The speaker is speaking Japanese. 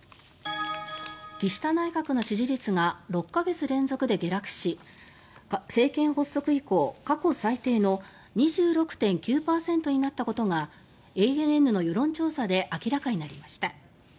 岸田内閣の支持率が６か月連続で下落し政権発足以降、過去最低の２６．９％になったことがＡＮＮの世論調査で明らかになりました。